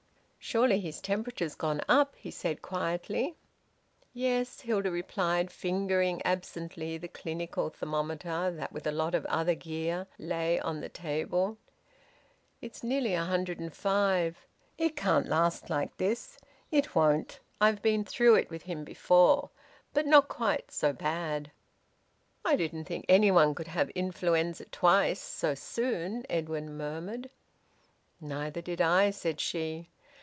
"Surely his temperature's gone up?" he said quietly. "Yes," Hilda replied, fingering absently the clinical thermometer that with a lot of other gear lay on the table. "It's nearly 105. It can't last like this. It won't. I've been through it with him before, but not quite so bad." "I didn't think anyone could have influenza twice, so soon," Edwin murmured. "Neither did I," said she.